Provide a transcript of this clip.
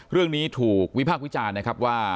เรื่องนี้ถูกวิพากษ์วิจารณ์ว่า